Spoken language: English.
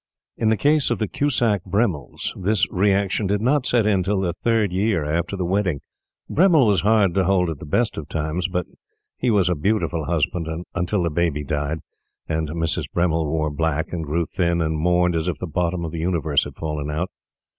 In the case of the Cusack Bremmils this reaction did not set in till the third year after the wedding. Bremmil was hard to hold at the best of times; but he was a beautiful husband until the baby died and Mrs. Bremmil wore black, and grew thin, and mourned as if the bottom of the universe had fallen out.